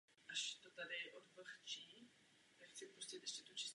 Po válce došlo k odsunu tohoto obyvatelstva.